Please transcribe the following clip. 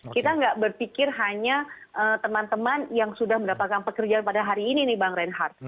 kita nggak berpikir hanya teman teman yang sudah mendapatkan pekerjaan pada hari ini nih bang reinhardt